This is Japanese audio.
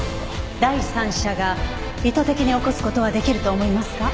第三者が意図的に起こす事はできると思いますか？